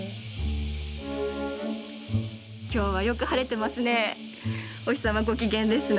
きょうはよく晴れてますね。